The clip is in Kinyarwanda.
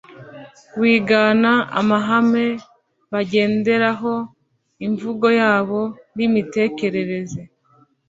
Wigana amahame bagenderaho imvugo yabo n imitekerereze